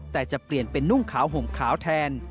แต่จะเปลี่ยนเป็นนุ่งขาวห่มขาวแทน